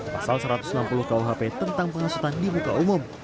pasal satu ratus enam puluh kuhp tentang pengasutan di muka umum